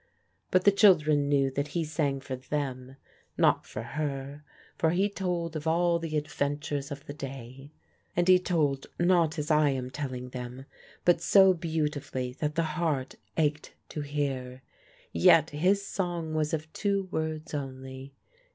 But the children knew that he sang for them, not for her; for he told of all the adventures of the day, and he told not as I am telling them, but so beautifully that the heart ached to hear. Yet his song was of two words only.